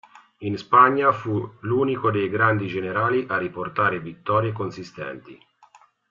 In Spagna fu l'unico dei grandi generali a riportare vittorie consistenti.